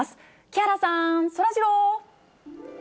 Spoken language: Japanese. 木原さん、そらジロー。